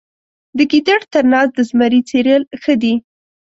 د ګیدړ تر ناز د زمري څیرل ښه دي.